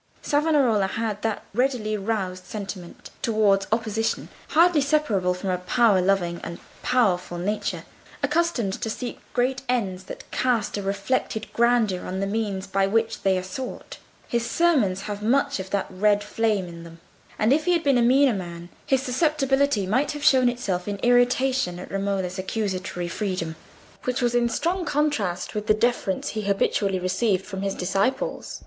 Savonarola had that readily roused resentment towards opposition, hardly separable from a power loving and powerful nature, accustomed to seek great ends that cast a reflected grandeur on the means by which they are sought. His sermons have much of that red flame in them. And if he had been a meaner man his susceptibility might have shown itself in irritation at Romola's accusatory freedom, which was in strong contrast with the deference he habitually received from his disciples.